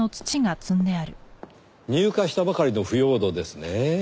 入荷したばかりの腐葉土ですね。